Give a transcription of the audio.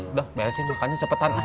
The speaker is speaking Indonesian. udah bayar sih bukannya cepetan lah